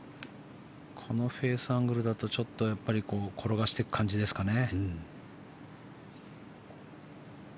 このフェースアングルだとちょっと転がしていく感じですかね。